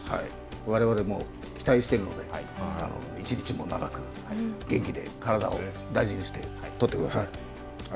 われわれも期待してるので１日も長く元気で体を大事にして取ってください。